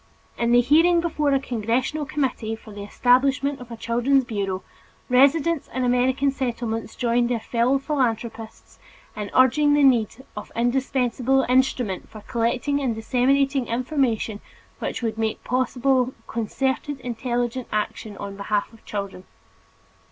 In the hearing before a congressional committee for the establishment of a Children's Bureau, residents in American Settlements joined their fellow philanthropists in urging the need of this indispensable instrument for collecting and disseminating information which would make possible concerted intelligent action on behalf of children.